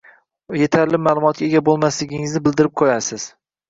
va yetarli ma’lumotga ega emasligingizni bildirib qo‘yasiz.